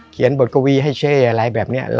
บทกวีให้เช่อะไรแบบนี้